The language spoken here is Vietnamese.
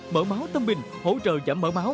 mỡ máu tâm bình hỗ trợ giảm mỡ máu